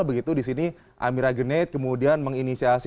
begitu di sini amira gened kemudian menginisiasi